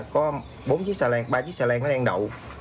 có bốn chiếc xà lan ba chiếc xà lan nó đang đậu